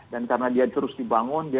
dan karena dia terus dibangun